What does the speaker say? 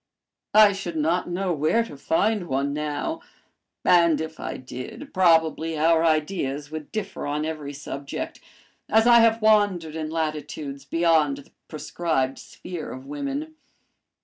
I should not know where to find one now, and if I did, probably our ideas would differ on every subject, as I have wandered in latitudes beyond the prescribed sphere of women.